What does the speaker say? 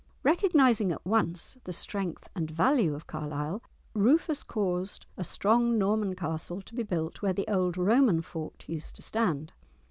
Recognising at once the strength and value of Carlisle, Rufus caused a strong Norman castle to be built where the old Roman fort used to stand.